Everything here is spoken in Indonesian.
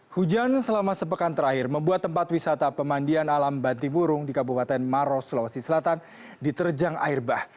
hujan selama sepekan terakhir membuat tempat wisata pemandian alam bantimurung di kabupaten maros sulawesi selatan diterjang air bah